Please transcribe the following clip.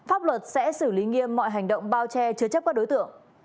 hãy xử lý nghiêm mọi hành động bao che chứa chấp các đối tượng